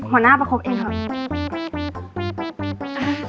หัวหน้าประคบเองเหรอ